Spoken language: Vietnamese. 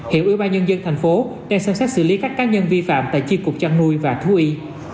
hiện ubnd tp đang xem xét xử lý các cá nhân vi phạm tại chiên cục chăn nuôi và thú y